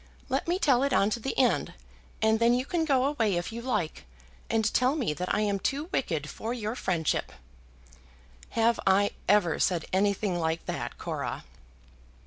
Let me tell it on to the end, and then you can go away if you like, and tell me that I am too wicked for your friendship." "Have I ever said anything like that, Cora?"